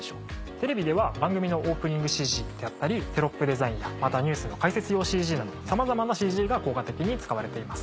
テレビでは番組のオープニングＣＧであったりテロップデザインやまたニュースの解説用ＣＧなどさまざまなＣＧが効果的に使われています。